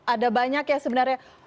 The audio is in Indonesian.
ada banyak ya sebenarnya